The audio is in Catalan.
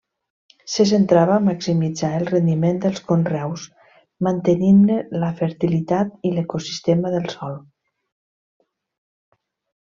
Se centrava a maximitzar el rendiment dels conreus mantenint-ne la fertilitat i l'ecosistema del sòl.